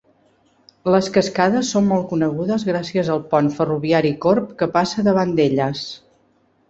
Les cascades són molt conegudes gràcies al pont ferroviari corb que passa davant d'elles.